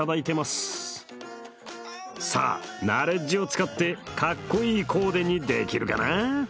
さあナレッジを使ってかっこいいコーデにできるかな？